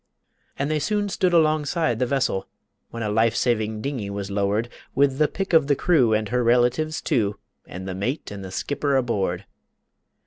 And they soon stood alongside the vessel, When a life saving dingey was lowered With the pick of the crew, and her relatives, too, And the mate and the skipper aboard.